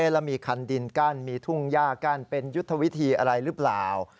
แล้วมีคันดินกั้นมีทุ่งย่ากั้นเป็นยุทธวิธีอะไรหรือเปล่า